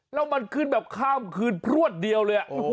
แล้วมันขึ้นแบบข้ามคืนพรวดเดียวเลย